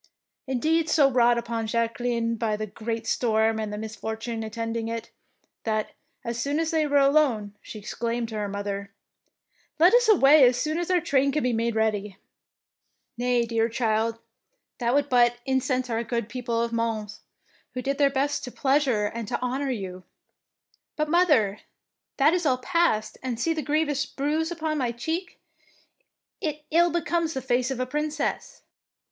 Indeed so wrought upon was Jacque line by the great storm and the mis fortune attending it, that, as soon as they were alone, she exclaimed to her mother, — ^'Let us away as soon as our train can be made ready. " Nay, dear child, that would but in 75 DEEDS OF DAEING cense our good people of Mons, who did their best to pleasure and to honour you.'' ''But, mother, that is all past, and see the grievous bruise upon my cheek. It ill becomes the face of a princess."